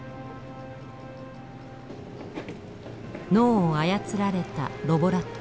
脳を操られたロボラット。